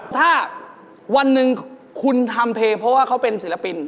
ถ้าวันหนึ่งคุณทำเพลงเพราะว่าเขาเป็นศิลปิน